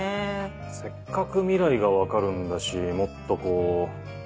せっかく未来が分かるんだしもっとこう。